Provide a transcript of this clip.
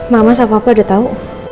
mama sama papa udah tahu